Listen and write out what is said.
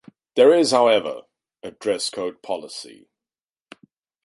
There is however, a dress code policy.